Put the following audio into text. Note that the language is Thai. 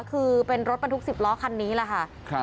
คือเป็นรถบรรทุก๑๐ล้อคันนี้แหละค่ะ